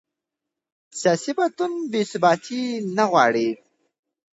سیاسي بدلون بې ثباتي نه غواړي